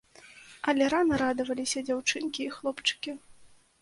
Але рана радаваліся дзяўчынкі і хлопчыкі.